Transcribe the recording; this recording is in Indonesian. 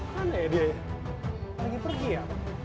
mana ya dia lagi pergi ya